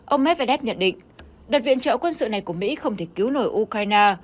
ông medvedev nhận định đợt viện trợ quân sự này của mỹ không thể cứu nổi ukraine